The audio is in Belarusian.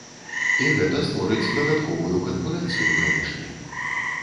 І гэта створыць дадатковую канкурэнцыю, канешне.